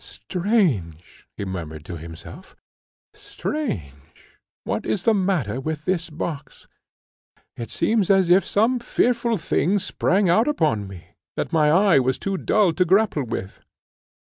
"Strange!" he murmured to himself; "strange! What is the matter with this box? It seems as if some fearful thing sprang out upon me, that my eye was too dull to grapple with."